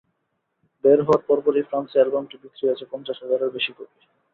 বের হওয়ার পরপরই ফ্রান্সে অ্যালবামটি বিক্রি হয়েছে পঞ্চাশ হাজারেরও বেশি কপি।